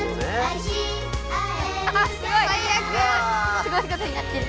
すごいことになってる。